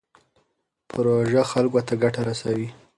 پروژه خلکو ته ګټه رسوي.